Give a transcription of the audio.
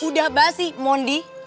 udah abah sih mondi